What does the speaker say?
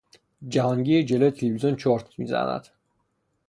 جهانگیر جلو تلویزیون چرت میزند.